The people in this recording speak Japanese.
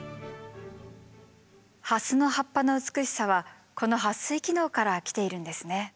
ハスの葉っぱの美しさはこの撥水機能から来ているんですね。